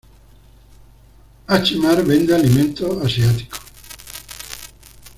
H Mart vende alimentos asiáticos.